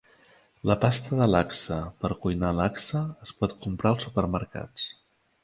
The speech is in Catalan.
La pasta de Laksa per cuinar laksa es pot comprar als supermercats.